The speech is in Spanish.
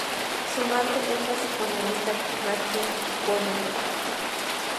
Su madre es la psicoanalista Raquel Goldberg.